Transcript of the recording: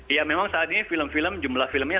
ya memang saat ini film film jumlah filmnya